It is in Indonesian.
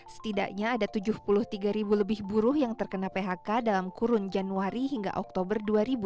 setidaknya ada tujuh puluh tiga ribu lebih buruh yang terkena phk dalam kurun januari hingga oktober dua ribu dua puluh